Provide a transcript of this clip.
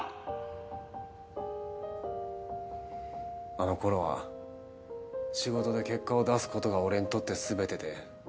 あの頃は仕事で結果を出す事が俺にとって全てで。